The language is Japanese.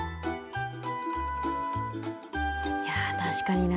いや確かにな。